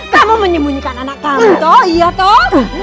kamu menyembunyikan anak kami toh iya toh